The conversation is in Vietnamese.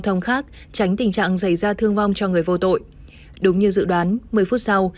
thông khác tránh tình trạng dày ra thương vong cho người vô tội đúng như dự đoán một mươi phút sau